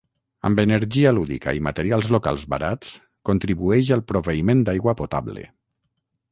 Amb energia lúdica i materials locals barats, contribueix al proveïment d'aigua potable.